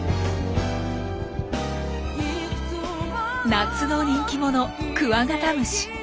夏の人気者クワガタムシ。